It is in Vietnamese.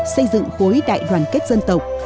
xây dựng khối đại đoàn kết dân tộc